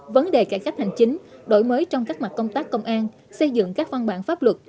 vấn đề cải cách hành chính đổi mới trong các mặt công tác công an xây dựng các văn bản pháp luật